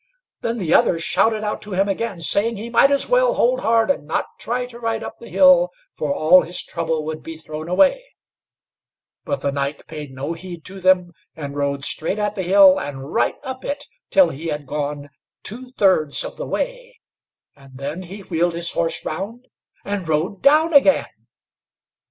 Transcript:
Then the others shouted out to him again, saying, he might as well hold hard, and not try to ride up the hill, for all his trouble would be thrown away; but the knight paid no heed to them, and rode straight at the hill, and right up it, till he had gone two thirds of the way, and then he wheeled his horse round and rode down again.